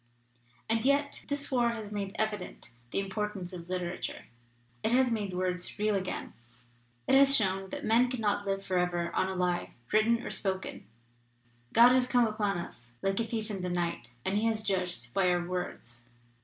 / "And yet this war has made evident the im portance of literature. It has made words real again. It has shown that men cannot live for ever on a lie, written or spoken. God has come upon us like a thief in the night, and He has judged by our words.